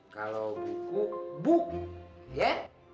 kalau buku bu ya